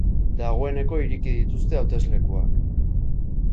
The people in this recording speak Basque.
Dagoeneko ireki dituzte hauteslekuak.